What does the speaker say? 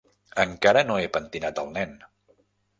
Encara no he pentinat el nen.